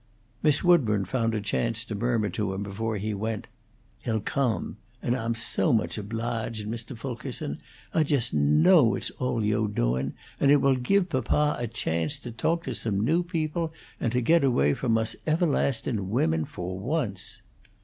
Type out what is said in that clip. Miss Woodburn found a chance to murmur to him before he went: "He'll come. And Ah'm so much oblahged, Mr. Fulkerson. Ah jost know it's all you' doing, and it will give papa a chance to toak to some new people, and get away from us evahlastin' women for once."